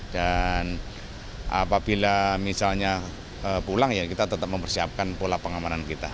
dan apabila misalnya pulang ya kita tetap mempersiapkan pola pengamanan kita